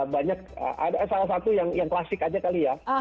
banyak ada salah satu yang klasik aja kali ya